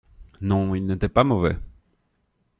Non, il n'était pas mauvais.